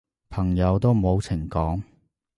朋友都冇情講